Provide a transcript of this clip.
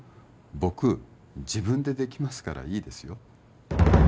僕自分でできますからいいですよ